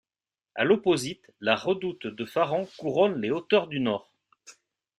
A l'opposite, la redoute de Faron couronne les hauteurs du nord.